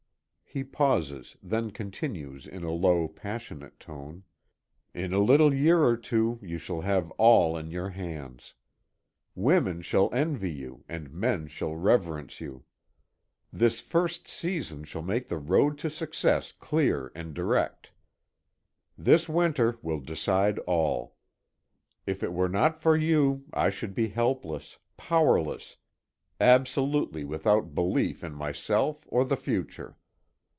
He pauses, then continues in a low, passionate tone: "In a little year or two you shall have all in your hands. Women shall envy you and men shall reverence you. This first season shall make the road to success clear and direct. This winter will decide all. If it were not for you, I should be helpless, powerless, absolutely without belief in myself or the future.